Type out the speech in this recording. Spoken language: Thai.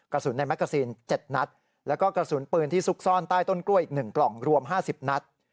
กระสุนในแกซีน๗นัดแล้วก็กระสุนปืนที่ซุกซ่อนใต้ต้นกล้วยอีก๑กล่องรวม๕๐นัด